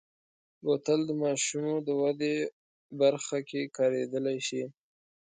بوتل د ماشومو د ودې برخه کې کارېدلی شي.